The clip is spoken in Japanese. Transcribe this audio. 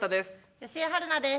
吉江晴菜です。